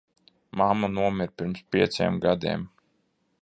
Mamma nomira pirms pieciem gadiem.